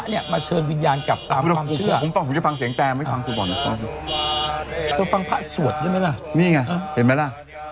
นี่ไงเห็นไหมละ